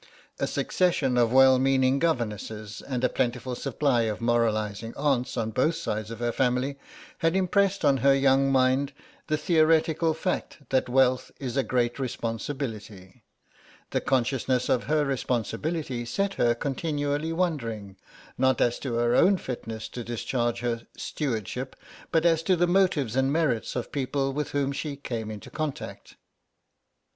A succession of well meaning governesses and a plentiful supply of moralising aunts on both sides of her family, had impressed on her young mind the theoretical fact that wealth is a great responsibility. The consciousness of her responsibility set her continually wondering, not as to her own fitness to discharge her "stewardship," but as to the motives and merits of people with whom she came in contact.